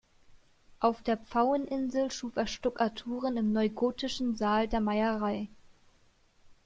Auf der Pfaueninsel schuf er Stuckaturen im neugotischen Saal der Meierei.